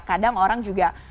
kadang orang juga